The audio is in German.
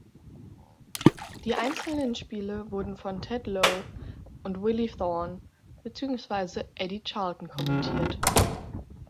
Die einzelnen Spiele wurden von Ted Lowe und Willie Thorne beziehungsweise Eddie Charlton kommentiert.